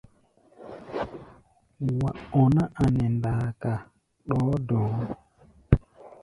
Wa ɔná a nɛ ndaaka ɗɔɔ́ dɔ̧ɔ̧́.